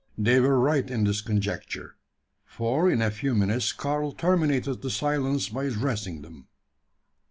They were right in this conjecture: for in a few minutes Karl terminated the silence by addressing them.